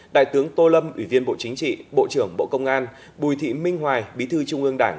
đại tướng tô lâm ủy viên bộ chính trị bộ trưởng bộ công an bùi thị minh hoài bí thư trung ương đảng